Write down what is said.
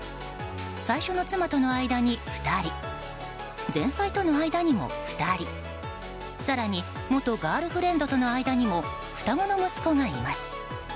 最初の妻との間に２人前妻との間にも２人更に元ガールフレンドとの間にも双子の息子がいます。